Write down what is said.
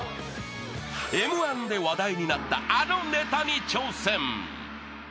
［Ｍ−１で話題になったあのネタに挑戦］